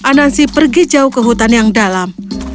anansi pergi jauh ke hutan yang dalam